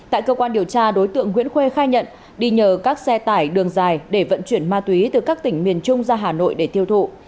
tại cơ quan điều tra đối tượng nguyễn khuê khai nhận đi nhờ các xe tải đường dài để vận chuyển ma túy từ các tỉnh miền trung ra hà nội để tiêu thụ